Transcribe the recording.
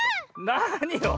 なによ？